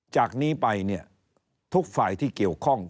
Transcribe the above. จากนี้ไปเนี่ยทุกฝ่ายที่เกี่ยวข้อง